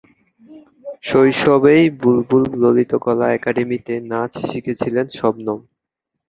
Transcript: শৈশবেই বুলবুল ললিতকলা একাডেমিতে নাচ শিখেছিলেন শবনম।